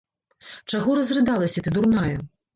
Чаго разрыдалася ты, дурная?